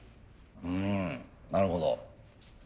うんなるほど。